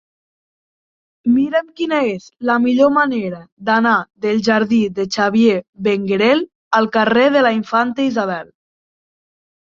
Mira'm quina és la millor manera d'anar del jardí de Xavier Benguerel al carrer de la Infanta Isabel.